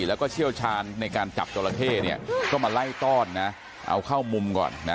แล้วก็เชี่ยวชาญในการจับจราเข้เนี่ยก็มาไล่ต้อนนะเอาเข้ามุมก่อนนะ